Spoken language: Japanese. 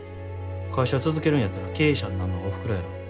会社続けるんやったら経営者になんのはおふくろやろ。